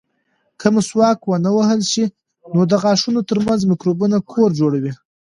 که مسواک ونه وهل شي، نو د غاښونو ترمنځ مکروبونه کور جوړوي.